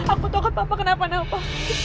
aku tau kan apa apa kenapa napa